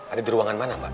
ada di ruangan mana mbak